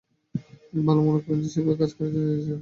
তিনি ভাল মনে করেন সেভাবে কাজ করার জন্য নির্দেশ দেওয়া হয়।